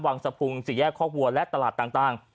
วังสะพุงสี่แยกคอกวัวและตลาดต่าง